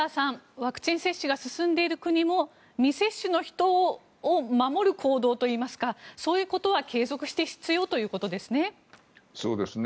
ワクチン接種が進んでいる国も未接種の人を守る行動といいますかそういうことは継続して必要ということですね。